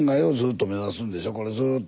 これずっと。